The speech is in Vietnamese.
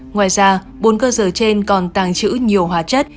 ngoài ra bốn cơ sở trên còn tàng trữ nhiều hóa chất